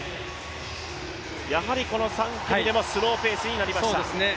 やはりこの３組でもスローペースになりました。